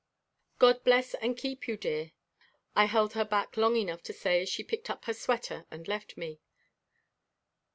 "God bless and keep you, dear," I held her back long enough to say as she picked up her sweater and left me.